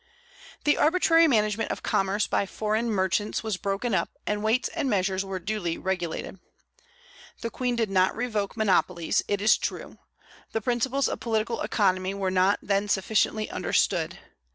The arbitrary management of commerce by foreign merchants was broken up, and weights and measures were duly regulated. The Queen did not revoke monopolies, it is true; the principles of political economy were not then sufficiently understood.